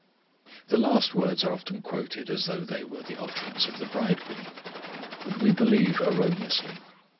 The last words are often quoted as though they were the utterance of the Bridegroom, but we believe erroneously.